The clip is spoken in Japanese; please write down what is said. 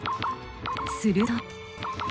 すると。